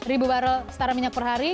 rp satu barrel setara minyak per hari